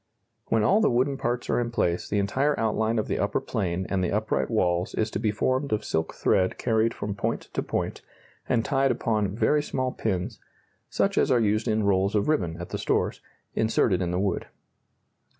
When all the wooden parts are in place the entire outline of the upper plane and the upright walls is to be formed of silk thread carried from point to point, and tied upon very small pins (such as are used in rolls of ribbon at the stores) inserted in the wood.